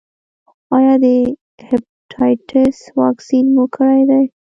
ایا د هیپاټایټس واکسین مو کړی دی؟